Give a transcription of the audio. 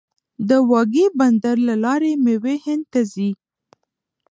د واګې بندر له لارې میوې هند ته ځي.